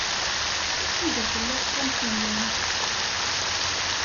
Anda tella texxamt-nnem?